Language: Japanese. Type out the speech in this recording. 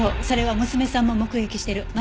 それは娘さんも目撃してる。